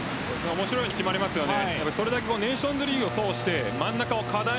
面白いように決まりますよね。